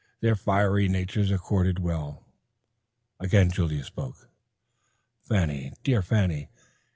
Their fiery natures accorded well! Again Julia spoke, "Fanny, dear Fanny.